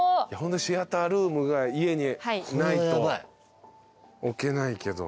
シアタールームが家にないと置けないけど。